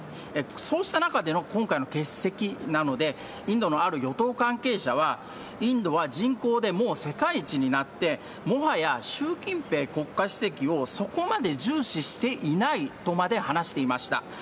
そうした中での今回の欠席なので、インドのある与党関係者は、インドは人口でもう世界一になって、もはや習近平国家主席をそこまで重視していないとまで話していました。